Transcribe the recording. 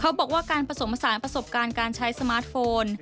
บอกว่าการผสมผสานประสบการณ์การใช้สมาร์ทโฟน